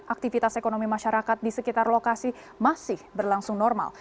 aktivitas ekonomi masyarakat di sekitar lokasi masih berlangsung normal